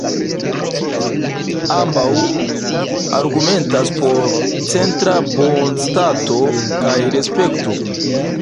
Ambaŭ argumentas por certa bonstato kaj respekto.